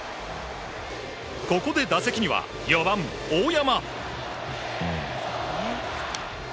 ここで打席には４番、大山。